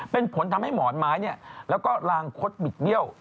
เป็นผลทำให้หมอนไม้แล้วก็ลางคดบิดเบี้ยว